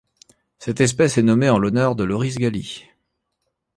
Cette espèce est nommée en l'honneur de Loris Galli.